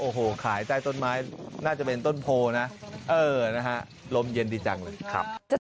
โอ้โหขายใต้ต้นไม้น่าจะเป็นต้นโพลนะเออนะฮะลมเย็นดีจังเลยครับ